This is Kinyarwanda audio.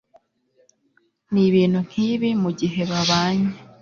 n'ibintu nk'ibi mu gihe babanye